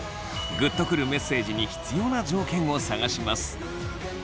グッとくるメッセージに必要な条件を探します。